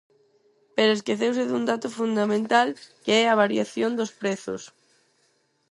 Pero esqueceuse dun dato fundamental, que é a variación dos prezos.